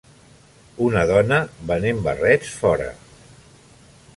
Una dona venent barrets fora.